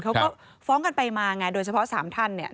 เขาก็ฟ้องกันไปมาไงโดยเฉพาะ๓ท่านเนี่ย